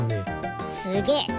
すげえ。